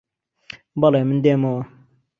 بەڵێ، من دێمەوە